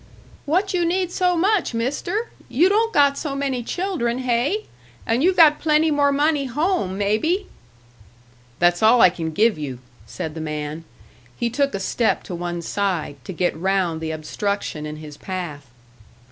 "What you need so much, Mister? You don't got so many children, hey? And you got plenty more money home, maybe!" "That's all I can give you," said the man. He took a step to one side, to get round the obstruction in his path.